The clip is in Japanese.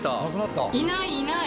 いないいない。